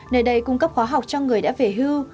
nơi đây cung cấp khóa học cho người đã về hư